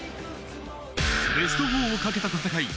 ベスト４をかけた戦い。